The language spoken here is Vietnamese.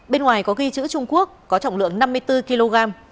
bên ngoài có ghi chữ trung quốc có trọng lượng năm mươi bốn kg